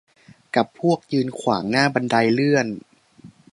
กับพวกยืนขวางหน้าบันไดเลื่อน